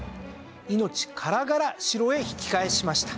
命からがら城へ引き返しました。